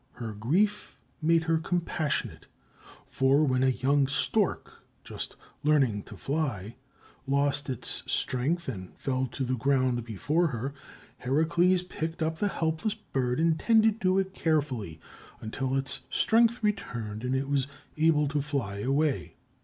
Her grief made her compassionate, for when a young stork just learning to fly lost its strength and fell to the ground before her, Heracleis picked up the helpless bird and tended it carefully until its strength returned and it was able to fly away.